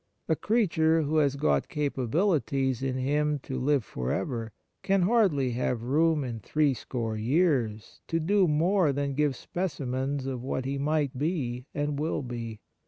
A creature who has got capabilities in him to live for ever can hardly have room in threescore years to do more than give specimens of what he might be and will be.